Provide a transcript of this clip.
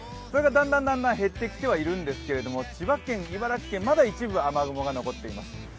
それがだんだん減ってきてはいるんですけれども、千葉県、茨城県まだ一部、雨雲が残っています。